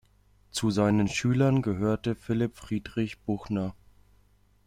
Zu seinen Schülern gehörte Philipp Friedrich Buchner.